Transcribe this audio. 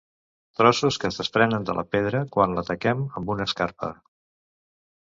Trossos que es desprenen de la pedra quan l'ataquem amb una escarpra.